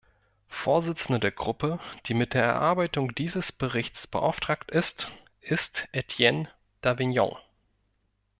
Vorsitzender der Gruppe, die mit der Erarbeitung dieses Berichts beauftragt ist, ist Etienne Davignon.